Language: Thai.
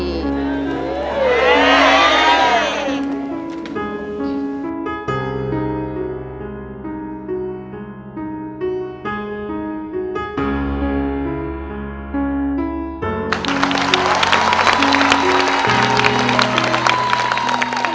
เย้